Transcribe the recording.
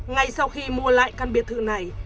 ngay sau khi mua lại căn biệt thự này